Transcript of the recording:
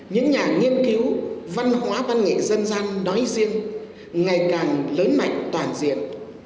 những nhà nghiên cứu văn hóa văn nghệ dân gian nói riêng ngày càng lớn mạnh toàn diện